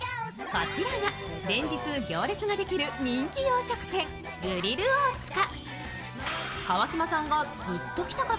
こちらが、連日行列ができる人気洋食店、グリルオーツカ。